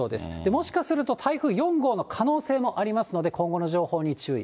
もしかすると台風４号の可能性もありますので、今後の情報に注意。